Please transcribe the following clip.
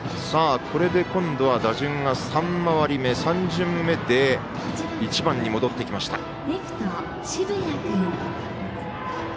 これで今度は打順が３巡目で１番に戻ってきました。